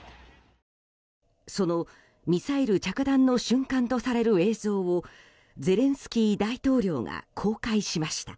そのミサイル着弾の瞬間とされる映像をゼレンスキー大統領が公開しました。